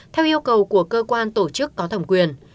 theo yêu cầu của cơ quan tổ chức có thẩm quyền